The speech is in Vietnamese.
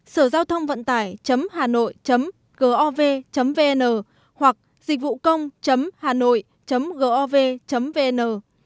sởgiaothongvậntải hanoi gov vn hoặc dịchvụcông hanoi gov vn